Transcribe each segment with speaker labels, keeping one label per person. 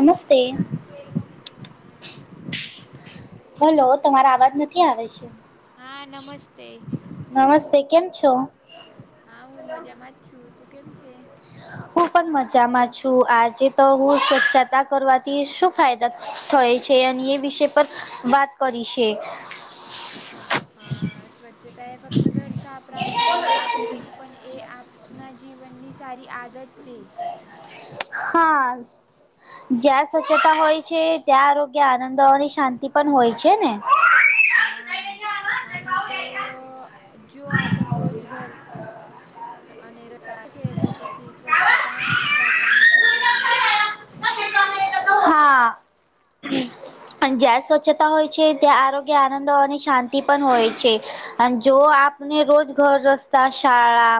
Speaker 1: નમસ્તે,
Speaker 2: હા મજા નમસ્તે.
Speaker 1: હાલો. તમારા આવાજ નથી આવે છે.
Speaker 2: હા નમસ્તે.
Speaker 1: નમસ્તે, કેમ છો?
Speaker 2: હા હું મજામાં જ છું, તું કેમ છે?
Speaker 1: હું પણ મજામાં છું, આજે તો હું સ્વચ્છતા કરવાથી શું ફાયદા થય છે અને એ વિષે પર વાત કરી છે.
Speaker 2: હા સ્વચ્છતા એ ફક્ત ઘર સાફ રાખવાની વાત નથી પણ એ આપ ના જીવનની સારી આદત છે.
Speaker 1: હા જ્યાં સ્વચ્છતા હોય છે. ત્યાં આરોગ્ય આનંદવાની શાંતિ પણ હોય છે ને.
Speaker 2: હા અને તો જો આપણ રોજગર અને ર છે તો પછી સ્વચ્છતા રાખવાનું ખુબ જરૂરી છે.
Speaker 1: હા. જ્યાં સ્વચ્છતા હોય છે ત્યાં આરોગ્ય, આનંદ અને શાંતિ પણ હોય છે. અને જો આપને રોજ ઘર, રસ્તા, શાળા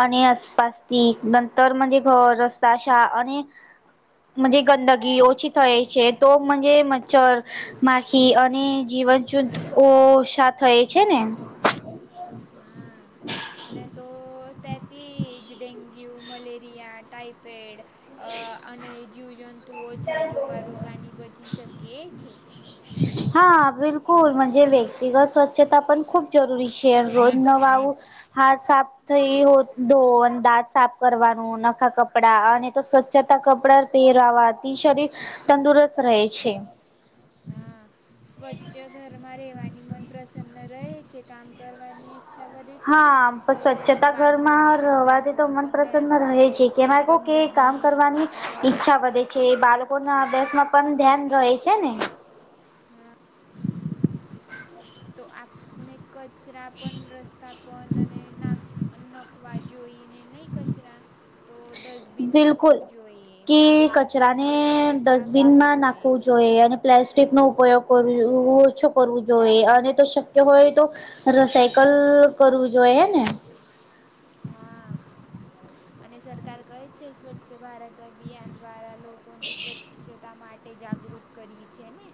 Speaker 1: અને આસપાસથી નંતર મજ ઘર રસ્તા શા અને મજે ગંદગી ઓછી થયે છે તોજ મચ્છર માખી અને જીવન જુદ ઓછા થય છે ને.
Speaker 2: હા. અને તો તેથી જ ડેન્ગ્યુ, મલેરિયા, ટાઈફોઇડ અ અને જીવજંતુ ઓછા જોવા રોગાની બચી શકે છે.
Speaker 1: હા બિલકુલ મજે વ્યક્તિગત સ્વચ્છતા પણ ખૂબ જરૂરી શેર રોજ નવા આવું હાથ સાફ થઈ હો દો અને દાંત સાફ કરવાનું, નખા કપડા અને તો સ્વચ્છતા કપડા પહેરાવાથી શરીર તંદુરસ્ત રહે છે.
Speaker 2: હા. સ્વચ્છ ઘરમાં રહેવાની, મન પ્રસન્ન રહે છે કામ કરવાની ઈચ્છા વધે છે ને
Speaker 1: હા પણ
Speaker 2: તો
Speaker 1: સ્વચ્છતા ઘરમાં
Speaker 2: બાળકોને
Speaker 1: રહેવાથી તો
Speaker 2: અભ્યાસમાં
Speaker 1: મન
Speaker 2: પણ ધ્યાન
Speaker 1: પ્રસન્ન
Speaker 2: રહે
Speaker 1: છે
Speaker 2: ગંદગી વાતાવરણ
Speaker 1: અચ્છા વધે છે એ બાળકોના
Speaker 2: છે
Speaker 1: અભ્યાસમાં પણ ધ્યાન રહે છે ને
Speaker 2: હા. તો આપને કચરા પણ રસ્તા પણ અને ના નખવા જોઈને નહી કચરા તો ડસ્ટબિન
Speaker 1: બિલકુલ
Speaker 2: નાખવું જોઈએ,
Speaker 1: કે
Speaker 2: પ્લાસ્ટિકનો
Speaker 1: કચરાને
Speaker 2: ઉપયોગ ઓછા કરવું
Speaker 1: ડસ્ટબિનમાં
Speaker 2: જોઈએ.
Speaker 1: નાખવું જોઈએ અને પ્લાસ્ટિક નો ઉપયોગ કરવુ ઓછો કરવું જોઈએ અને તો શક્ય હોય તો રસાયકલ કરવું જોઈ હે ને?
Speaker 2: હા અને સરકાર કઈ છે સ્વચ્છ ભારત અભિયાન દ્વારા લોકોને સ્વચ્છતા માટે જાગૃત કરી છે ને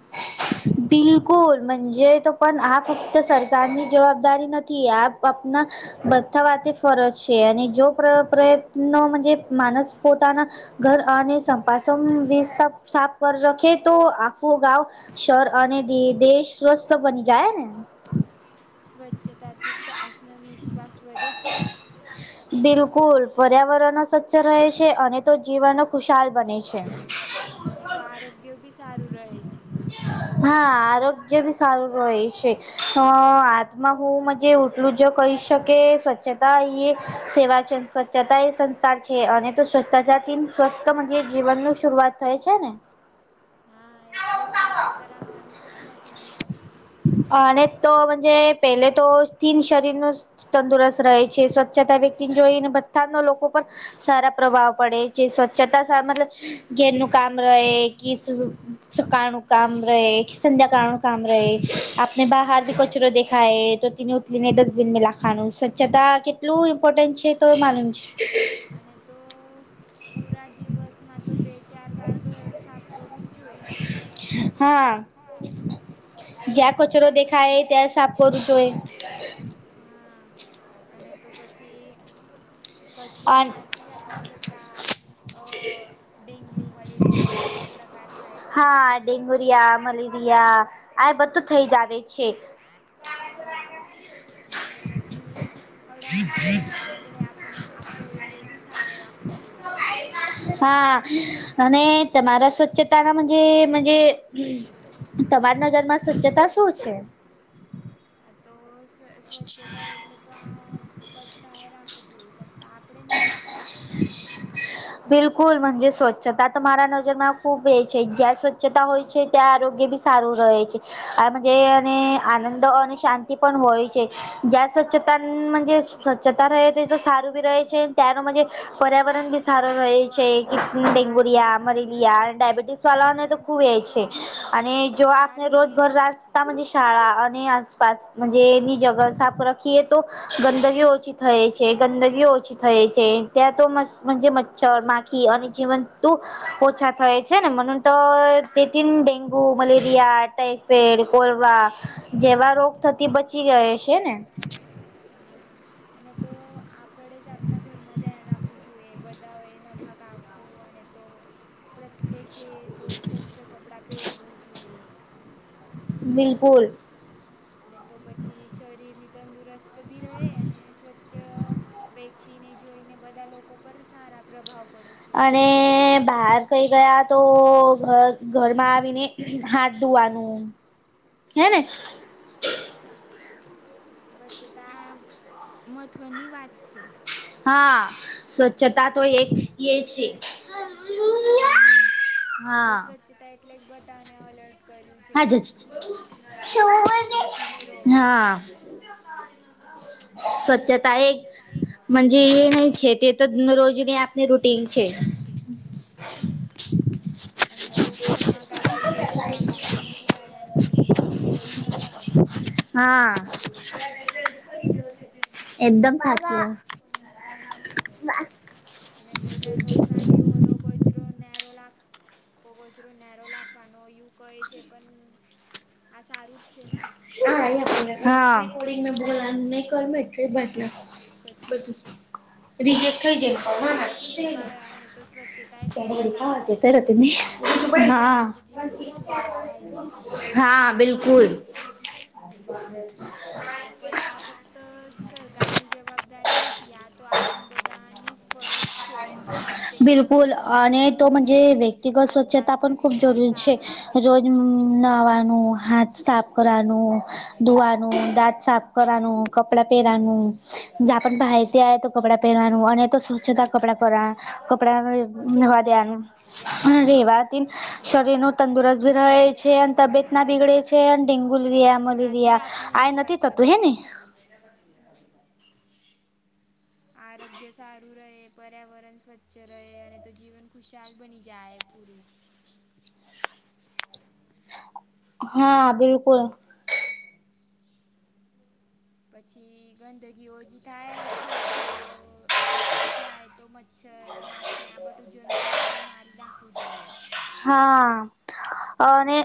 Speaker 1: બિલકુલ મજે તો પણ આ ફક્ત સરકારની જવાબદારી નથી આપ આપના બધા વા ફરજ છે અને જો પ્રયત્નો માણસ પોતાના ઘર અને સંપાસન સાફ કરી રાખે તો આખું ગાવ શર આને દી દેશ સ્વસ્થ બની જાય ને
Speaker 2: સ્વચ્છતાથી તો આત્મવિશ્વાસ વધે છે ને
Speaker 1: હ બિલકુલ પર્યાવરણો સ્વચ્છ રહે છે અને તો જીવન ખુશાલ બને છે
Speaker 2: હા અને તો આરોગ્ય બી સારું રહે છે
Speaker 1: હા આરોગ્ય બી સારું રહે છે હાથમાં હું મજ એટલું જો કહી શકે સ્વચ્છતા એ સેવા છેંદ સ્વચ્છતા એ છે અને તો સ્વચ્છથી સ્વસ્ જે જીવન ન શરૂઆત થાય છે ને
Speaker 2: હા એટલે જ સ્વચ્છતા રાખવાનું ખુબ મહત્વની વાત છે
Speaker 1: અને તોજ પહેલે તો સ્થીન શરીરનું તંદુરસ્ત રહે છે સ્વચ્છતા વ્યક્તિને જોઈને બથાના લોકો પણ સારા પ્રભાવ પડે જે સ્વચ્છતા ઘેરનું કામ રહે કે સુ સુકાણું કામ રહે કે સંધ્યાકાણ કામ રહે આપને બહારથી
Speaker 2: હા.
Speaker 1: કચરો દેખાાય તો તેને ઉતલીને ડસ્ટબિનમાં લખવાનું સ્વચ્છતા કેટલું ઇમ્પોર્ટન્ટ છે તો માલ છે
Speaker 2: અને તો પૂરા દિવસમાં તો બે ચાર વાર ઘર સાફ કરવું જ જોઈએ
Speaker 1: હા જ્યાં કચરો દેખાય ત્યાં સાફ કરું જોઈએ
Speaker 2: હા અને તો પછી કચરા માટેટી જ આપને બઠા ડેન્ગ્યુ મલેરિયા એવા પ્રકાર કાર થાય છે ને આપમણાં
Speaker 1: ુરિયા મલેરિયા આ બ
Speaker 2: આ બધું થઈ જ હા અને તો પછી હણા આપણા આપણે આપણને આપનો એડિયો બી સારો રાખવો જોઈએ
Speaker 1: હા અને તમારા સ્વચ્છતા નાજ તમારી નજરમાં સજ્જતા શું છે
Speaker 2: આ તો સ્વચ્છતા એટલે તો આ બટ્ટા રાખ પુજોઈ ફક્ત આપણે જ નહીં
Speaker 1: [inaudible] બિલકુલ મજ સ્વચ્છતા તો મારા નજરમાં ખૂબ એ છે જ્યાં સ્વચ્છતા હોય છે ત્યાં આરોગ્ય બી સારું રહે છે આમ જેને
Speaker 2: હા
Speaker 1: આનંદ અને શાંતિ પણ હોય જ સ્વચતા સ્વચ્છતા રહે તો સારું ભી રહે તનું પર્યાવરણ બી
Speaker 2: અને
Speaker 1: સારું
Speaker 2: તો
Speaker 1: રહે છે
Speaker 2: આ
Speaker 1: કે
Speaker 2: આરોગ્ય
Speaker 1: ડેન્ગુરિયા
Speaker 2: સારું રહે
Speaker 1: મલેરિયા અને
Speaker 2: છે તો
Speaker 1: ડાયબિટીસ ને તો
Speaker 2: પર્યાવરણ
Speaker 1: ખુબ એ
Speaker 2: સ્વચ્છ
Speaker 1: છે
Speaker 2: તો
Speaker 1: અને
Speaker 2: જીવન
Speaker 1: જો
Speaker 2: ખુશાલ
Speaker 1: આપને રોજ
Speaker 2: બનવું
Speaker 1: ઘર
Speaker 2: જોઈ છે
Speaker 1: રાસ્તામાં શાળા અને આસપાસજ એની જગ સાફ રાખીએ તો ગંદગીઓ ઓછી થાય છે ગંદગીઓ ઓછી થય છે. ત્યાં તો મજે મચ્છર, માખી અને જીવંત તું ઓછા થાય છે ને મ તો તેથી ડેન્ગુ, મલેરિયા ટાઈપ ફેડ કોરવા જેવા રોગ થતી બચી ગયા છે ને.
Speaker 2: હા અને તો આપણેે જ આપના ઘરમાં ધ્યાન રાખવું જોઈએ બધાઓએ નખા કાપવું અને તો પ્રત્યેકે તો સ્વચ્છ છ કપડાં પહેરવું જોઈએ
Speaker 1: બિલકુલ
Speaker 2: અને તો પછી શરીરની તંદુરસ્ત બી રહે અને સ્વચ્છ વ્યક્તિને જોઈને બધા લોકો પર સારા પ્રભાવ પડે છે ને
Speaker 1: અને બહાર કઈ ગયા તો ઘર ઘરમાં આવીને હાથ દુવાનું, હે ને?
Speaker 2: હા સ્વચ્છતા મહત્વની વાત છે.
Speaker 1: હા સ્વચ્છતા તો એક એ છે. હા.
Speaker 2: ચતાં એટલે જ બટાને અલર્ટ કર્યું છે કી બૂ.
Speaker 1: શવા
Speaker 2: બચીને રહો.
Speaker 1: [inaudible] સ્વચ્છતા એક, મંજે
Speaker 2: હા
Speaker 1: [unintelligible] છે તે તો રોજની આપની રૂટીન છે.
Speaker 2: [unintelligible] અને તો ઘરમાં કઈ પડ્યું હોય તો આપે એવું નથી રહ્યાનું એને ક્લીન કરીને જ રાખવાનું. આ
Speaker 1: હા.
Speaker 2: બી કહ્યું
Speaker 1: એકદમ સાચી વા.
Speaker 2: ને તો ડસ્ટબિનમાં ભી ઓલો કચરો નેરોલા [unintelligible] કચરો રો લખવાનો યું કહે છે પણ આ સારું જ છે ને?
Speaker 1: હા. [unintelligible] એટલો બધો,
Speaker 2: પછી
Speaker 1: બધું. રીજેક્ટ થઈ જાય.
Speaker 2: સ્વચ્છતા એ જ સેવા અને તો સ્વચ્છતા એ જ સંસ્કાર છે અને તો સ્વચ્છતાથી જ સ્વાસ્થ્ય જીવનની શરૂઆત થાય છે ને
Speaker 1: હા. હા બિલકુલ.
Speaker 2: હમ ને પણ આ ફક્ત સરકારની જવાબદારી નથી, આ તો આપણ બધાની ફરજ છે જો પ્રત્યેક
Speaker 1: બિલકુલ
Speaker 2: માણસના પોતાને
Speaker 1: અને
Speaker 2: ઘર
Speaker 1: તોજ
Speaker 2: અને
Speaker 1: વ્યક્તિગત સ્વચ્છતા પણ
Speaker 2: આસપાસના
Speaker 1: ખૂબ
Speaker 2: વિસ્તાર
Speaker 1: જરૂરી છે.
Speaker 2: સાફ રાખો
Speaker 1: રોજ નાહવાનું. હાથ સાફ કરવાનું, ધોવાનું, દાંત સાફ કરવાનું, કપડા પહેરવાનું જા પણ ભાઈથી આય તો કપડાં પહેરવાનું અને તો સ્વચ્છતા કપડા પેરવાના, કપડા નાવા દેવાનું [unintelligible]
Speaker 2: હા
Speaker 1: શરીર નું
Speaker 2: અને તો
Speaker 1: તંદુરસ્ત ભી રહે
Speaker 2: પછી
Speaker 1: છે
Speaker 2: આ તો
Speaker 1: અને
Speaker 2: બિલકુલ
Speaker 1: તબિયત ના
Speaker 2: સાચું
Speaker 1: બીગડે
Speaker 2: જ
Speaker 1: છે અને
Speaker 2: તો
Speaker 1: ડેન્ગુ લરિયા,
Speaker 2: સ્વચ્છતાથી જ
Speaker 1: મલેરિયા આ નથી
Speaker 2: આત્મવિશ્વાસ
Speaker 1: થતું
Speaker 2: વધે
Speaker 1: હે ને?
Speaker 2: છે આરોગ્ય સારું રહે, પર્યાવરણ સ્વચ્છ રહે અને તો જીવન ખુશાલ બની જાય પૂરું.
Speaker 1: હા બિલકુલ.
Speaker 2: પછી ગંદગી ઓછી થાય છે તો ઓછી થાય તો મચ્છર, મા કે આ બટું જંતુઓને મારી નાખવું જોઈએ.
Speaker 1: હા અને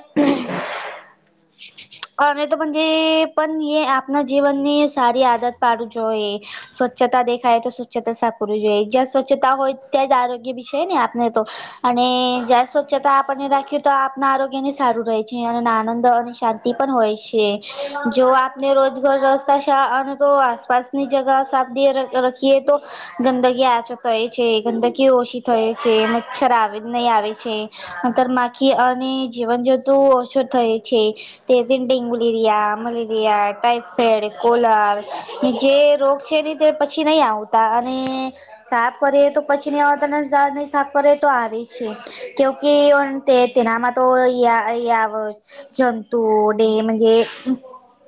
Speaker 1: અને તો પણ એ પણ આપ આપના જીવન ની સારી આદત પાડું જોઈએ. સ્વચ્છતા દેખાય તો [unintelligible] સાપ કરવું જોઈએ જ્યાં સ્વચ્છતા હોય ત્યાં જ આરોગ્ય છે ને આપને તો
Speaker 2: હા
Speaker 1: જ્યાં વછ
Speaker 2: અને તો
Speaker 1: તો આપના આરોગ્ય ને સારું રહેે છે અને આનંદ અને શાંતિ પણ હોય છે. જો આપ અને રોજગર રસ્તા શા અને તો આસપાસની જગા સાદીએ રખીએ તો ગંદકી આચો થાય છે ગંદકીઓ ઓછી થય છે મચ્છર આવે જ નહીં આવે છે. અંતર માખી અને જીવન જતું ઓછું થય છે. તેથી ડેન્ગુ લરિયા, મલેરિયા, ટાઈફાઈડ, કોલાર જે રોગ છે ને તે પછી નહી આવતા અને સાફ કરીએ તો પછી ની આવતા ને નહી સાફ કરી તો આવે છે. કેુકી હ તે તનામાં. [unintelligible] તું ડે મન્જે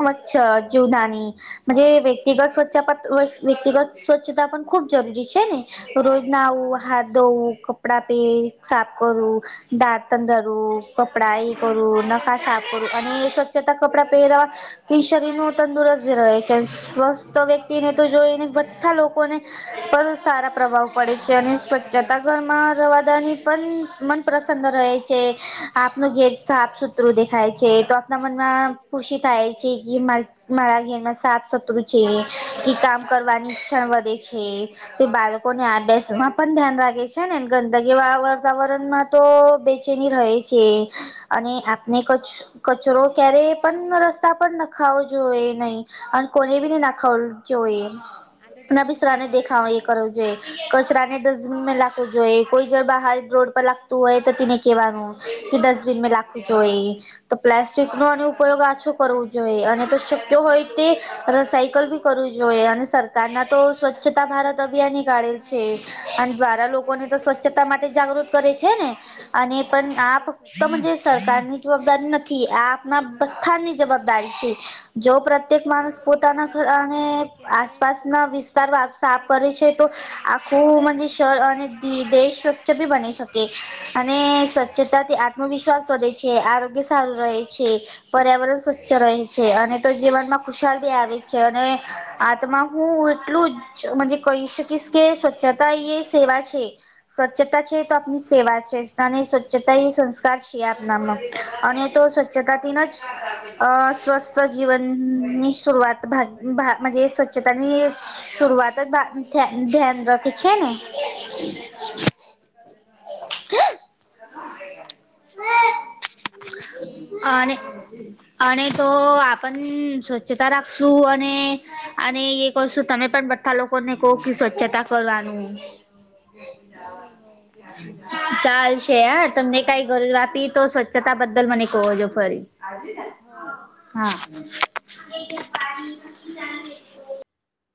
Speaker 1: મચછર જીવડાની મન્જે વે વ્યક્તિગત સ્વચ્છતા ઓછ વ્યક્તિગત સ્વચ્છતા પણ ખુબ જરૂરી છે ને રોજ નાહવું
Speaker 2: હા
Speaker 1: હાથ ધોવું કપડા પે સાફ કરવું દાંતંધરું કપડાં એ કરું નખા સાફ કરું અને જતા કપડા પહેરા ટી શરીર નું તંદુરસ્ત ભી રહે છે સ્વસ્થ વ્યક્તિને તો જોઈને બધા લોકોને પણ સારા પ્રભાવ પડે છે અને સ્વચ્છતા ઘરમાં રવાદાની પણ મન પ્રસન્ન રહે છે આપનું
Speaker 2: હા.
Speaker 1: ઘેર સાફ સુથરું દેખાય છે તો આપના મનમાં ખુશી થાય છી કી માર મારા ઘેર માં સાત શત્રુ છે કે કામ કરવાની ઈચ્છણ વધે છે તે બાળકોને આદર્શ માં પણ ધ્યાન રાખે છે ને ગંદકી વાડા વાતાવરણ માં તો બેચેની રહે છે અને આપને કછ કચરો ક્યારે પણ રસ્તા પર નખાવો જોઈએ નહી અન કોને બી ની નખવ જોઈએ
Speaker 2: આ તો
Speaker 1: ના
Speaker 2: ડસ્ટબિનમાં
Speaker 1: બિસરાને
Speaker 2: નાખવું
Speaker 1: દેખાવ એ કરવું જોઈએ કચરા ને ડસ્ટબિન મે નાખવું જોઈએ કોઈ જ બહાર રોડ લાગતું હોય તો તેને કહેવાનું કે ડસ્ટબિન મે લાગવું જોએ તો પ્લાસ્ટિક નો ન ઉપયોગ આછો કરવો જોઈએ અને તો તો હોય તે રસાયકલ બી કરવું જોઈએ અને સરકારના તો
Speaker 2: અને
Speaker 1: સ્વચ્છતા ભારત
Speaker 2: પોતાને
Speaker 1: અભિયાન ની
Speaker 2: બી
Speaker 1: કાઢેલ છે
Speaker 2: ખાવાડી
Speaker 1: અને દ્વારા
Speaker 2: દેખવા
Speaker 1: લોકોને
Speaker 2: ગયા
Speaker 1: તો
Speaker 2: ઈને આપે
Speaker 1: સ્વચ્છતા માટે
Speaker 2: સુવટી
Speaker 1: જાગૃત
Speaker 2: એટલે
Speaker 1: કરે છે
Speaker 2: પોતાને
Speaker 1: ને
Speaker 2: ઘરનું જ
Speaker 1: અને
Speaker 2: ખાવાડું
Speaker 1: પણ
Speaker 2: એને જ
Speaker 1: આ
Speaker 2: કે
Speaker 1: ફક્ત
Speaker 2: સ્વચ્છતા
Speaker 1: જે સરકારની જવાબદારી નથી આ આપણા બથા ની જવાબદારી છે જો પ્રત્યેક માણસ
Speaker 2: પછી
Speaker 1: પોતાના ઘર
Speaker 2: વાતાવરણ
Speaker 1: અને
Speaker 2: મન બેચેન રહે
Speaker 1: આસપાસ
Speaker 2: તો
Speaker 1: ના
Speaker 2: આપને
Speaker 1: વિસ્તાર
Speaker 2: કચરો
Speaker 1: વાપ્સ સાફ
Speaker 2: ક્યારેક
Speaker 1: કરે
Speaker 2: પણ
Speaker 1: છે તો
Speaker 2: રસ્તા પર નાખવો
Speaker 1: આખું મ
Speaker 2: જોઈએ
Speaker 1: જી શર
Speaker 2: નથી.
Speaker 1: અને દે દેહ સ્વચ્છ બી બની શક તે અને સ્વચ્છતાથી આત્મવિશ્વાસ વધે છે આરોગ્ય સારું રહે છે પર્યાવરણ સ્વચ્છ રહે છે અને તો જીવનમાં ખુશાલ ભી આવે છે અને આત્મા હું એટલું જ મજે કહી શકીશ કે સ્વચ્છતા એ એ સેવા છે સ્વચ્છતા છે તો આપની સેવા છે અને સ્વચ્છતા એ સંસ્કાર છીએ આપનામાં અને તો સ્વચ્છતાથી ન જ અ સ્વસ્થ જીવન ની સુરઆત ભા ભા માં જે તાની
Speaker 2: હા
Speaker 1: એ શુરઆત
Speaker 2: સ્વચ્છતાથી
Speaker 1: જ ભા
Speaker 2: જીવન
Speaker 1: ધ્યાન ધ્યાન
Speaker 2: જવાનું
Speaker 1: રખે છે
Speaker 2: સારું
Speaker 1: ને
Speaker 2: ઉપાય છે.
Speaker 1: [inaudible]
Speaker 2: પછી
Speaker 1: અનેઅ અને તો આપણ સ્વચ્છતા રાખશું અને અને એક વસ્તુ તમે પણ ધા લોકોને કો કે સ્વચ્છતા કરવાનું
Speaker 2: હય હય
Speaker 1: ચાલ છે હ તમને કઈ
Speaker 2: ચાલશે
Speaker 1: ગલ આપી તો સ્વચ્છતા બદલ મને કહો છો ફરી
Speaker 2: હોવ
Speaker 1: હા
Speaker 2: કયા ય
Speaker 1: પાણી